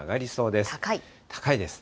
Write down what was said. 高いです。